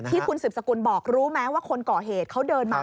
ที่คุณสืบสกุลบอกรู้ไหมว่าคนก่อเหตุเขาเดินมา